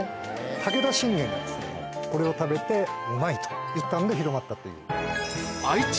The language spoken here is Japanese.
武田信玄がこれを食べて「うまい！」と言ったんで広まったという。